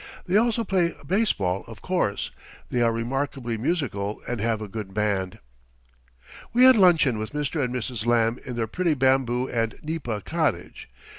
They also play baseball, of course. They are remarkably musical and have a good band. We had luncheon with Mr. and Mrs. Lamb in their pretty bamboo and nipa cottage.